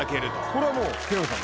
これはもう木南さん。